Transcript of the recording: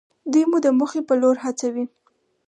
دوی مو د موخې په لور هڅوي.